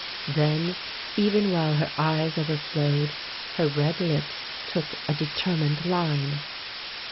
Then even while her eyes overflowed, her red lips took a determined line.